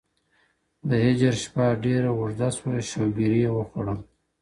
د ھــجر شپه ډېره اوږده شوه، شوګـــــــــیرې وخوړم